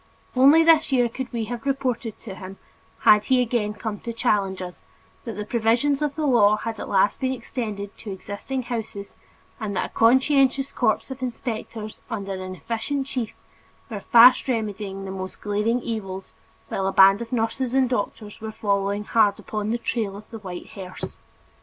Only this year could we have reported to him, had he again come to challenge us, that the provisions of the law had at last been extended to existing houses and that a conscientious corps of inspectors under an efficient chief, were fast remedying the most glaring evils, while a band of nurses and doctors were following hard upon the "trail of the white hearse."